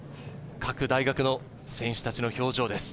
各大学の選手たちの表情です。